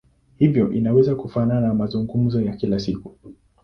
Hivyo inaweza kufanana na mazungumzo ya kila siku.